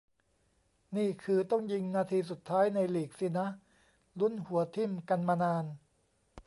นี่คือ ต้องยิงนาทีสุดท้ายในลีกสินะ ลุ้นหัวทิ่มกันมานาน